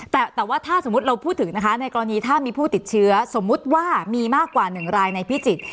แต่ว่าถ้าสมมุติเราพูดถึงนะคะในกรณีถ้ามีผู้ติดเชื้อสมมุติว่ามีมากกว่า๑รายในพิจิตร